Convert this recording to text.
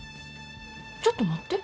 ちょっと待って。